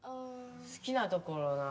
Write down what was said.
すきなところな。